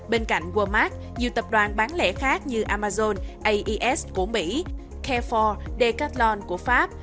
bên cạnh walmart nhiều tập đoàn bán lẻ khác như amazon aes của mỹ care bốn decathlon của pháp